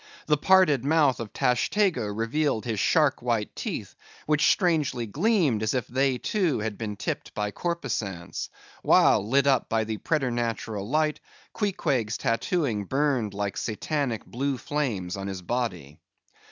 The parted mouth of Tashtego revealed his shark white teeth, which strangely gleamed as if they too had been tipped by corpusants; while lit up by the preternatural light, Queequeg's tattooing burned like Satanic blue flames on his body.